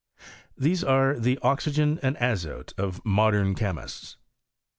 These are the oxygen and azote of modem chemists.